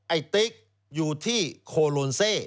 ติ๊กอยู่ที่โคโลนเซ